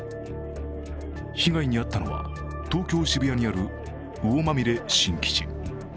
被害に遭ったのは、東京・渋谷にある魚まみれ眞吉。